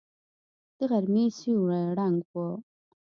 د غرمې سیوری ړنګ و.